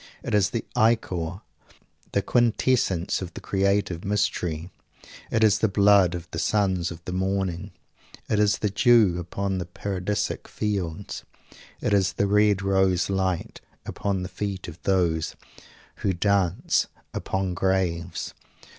It is the ichor, the quintessence of the creative mystery. It is the blood of the sons of the morning. It is the dew upon the paradisic fields. It is the red rose light, upon the feet of those who dance upon graves.